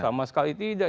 sama sekali tidak